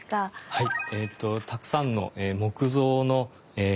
はい。